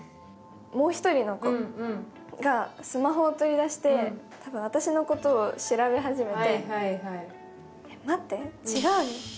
もう１人の子がスマホを取り出して多分私の事を調べ始めて「えっ待って」。